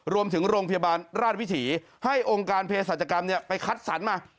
รวมถึงโรงพยาบาลราชวิถีให้องค์การเพศัตริย์ศัตริย์กรรมเนี่ยไปคัดสรรมา